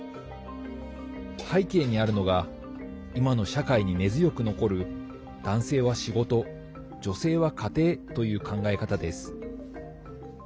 背景にあるのが今の社会に根強く残る男性は仕事、女性は家庭という考え方です。